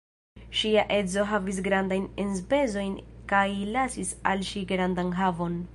Ŝia edzo havis grandajn enspezojn kaj lasis al ŝi grandan havon.